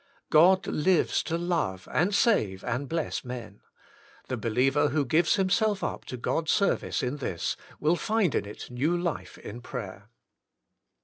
God lives to love, and save, and bless men: the believer who gives himself up to God's service in this, will find in it new life in prayer.